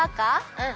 うん。